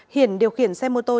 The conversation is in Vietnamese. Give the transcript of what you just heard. hiển điều khiển xe mô tô